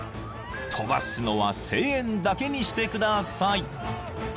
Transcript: ［飛ばすのは声援だけにしてください］